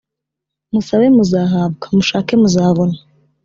musabe muzahabwa mushake muzabona